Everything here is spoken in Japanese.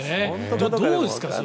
どうですか？